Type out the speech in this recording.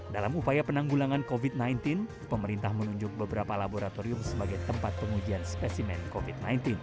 dalam upaya penanggulangan covid sembilan belas pemerintah menunjuk beberapa laboratorium sebagai tempat pengujian spesimen covid sembilan belas